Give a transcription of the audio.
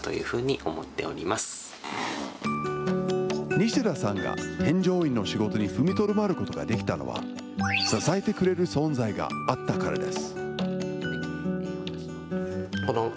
西田さんが添乗員の仕事に踏みとどまることができたのは、支えてくれる存在があったからです。